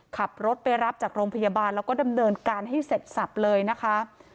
ขับรถไปรับจากโรงพยาบาลแล้วก็ดำเนินการให้เสร็จสับเลยนะคะ